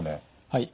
はい。